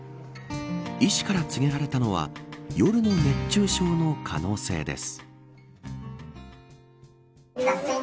医師から告げられたのは夜の熱中症の可能性です。